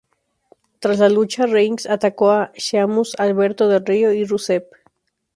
Tras la lucha, Reigns atacó a Sheamus, Alberto Del Rio y Rusev.